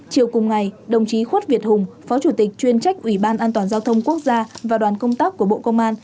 chiều cùng ngày đồng chí khuất việt hùng phó chủ tịch chuyên trách ủy ban an toàn giao thông quốc gia và đoàn công tác của bộ công an